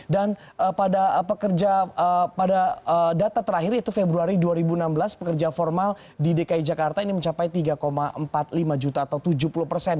dan pada data terakhir yaitu februari dua ribu enam belas pekerja formal di dki jakarta ini mencapai tiga empat puluh lima juta atau tujuh puluh persen